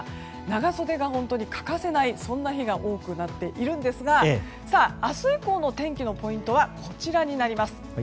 長袖が本当に欠かせない日が多くなっているんですが明日以降の天気のポイントはこちらになります。